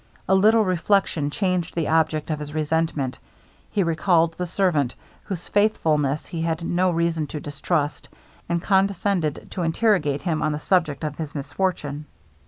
A little reflection changed the object of his resentment; he recalled the servant, whose faithfulness he had no reason to distrust, and condescended to interrogate him on the subject of his misfortune.